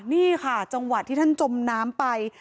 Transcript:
นี่ค่ะจังหวะที่ท่านจมน้ำไป